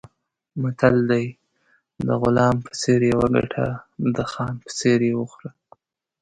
متل دی: د غلام په څېر یې وګټه، د خان په څېر یې وخوره.